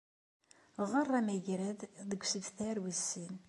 Ɣer amagrad deg usebter wis sin.